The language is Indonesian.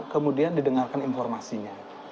kemudian didengarkan informasinya